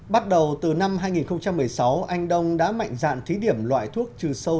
bắt đầu từ năm hai nghìn một mươi sáu anh đông đã mạnh dạn thí điểm loại thuốc trừ sâu